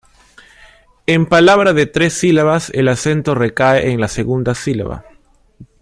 En palabra de tres sílabas el acento recae en la segunda sílaba.